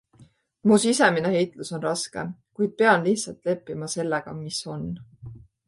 Mu sisemine heitlus on raske, kuid pean lihtsalt leppima sellega, mis on.